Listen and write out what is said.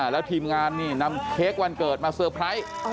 แล้วทีมงานนี่นำเค้กวันเกิดมาเซอร์ไพรส์